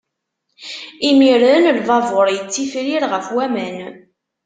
Imiren, lbabuṛ ittifrir ɣef waman.